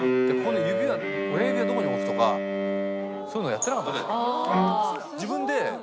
「指は親指はどこに置くとかそういうのやってなかったんですよ」